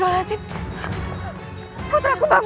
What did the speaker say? dia adalah satu satunya putra hamba